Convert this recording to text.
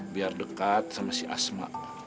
biar dekat sama si asma